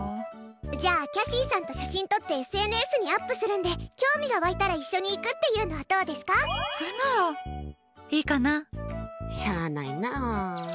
じゃあキャシーさんと写真撮ってＳＮＳにアップするんで興味が湧いたら一緒に行くっていうのはそれならいいかな。